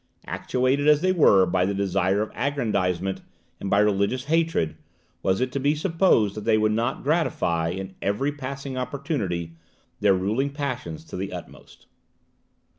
Actuated as they were by the desire of aggrandizement and by religious hatred, was it to be supposed that they would not gratify, in every passing opportunity, their ruling passions to the utmost?